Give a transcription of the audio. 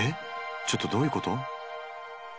ちょっとどういうこと？